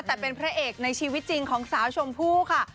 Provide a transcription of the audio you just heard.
แต่เป็นพระเอกในชีวิตจริงของสาวชมพู่ค่ะ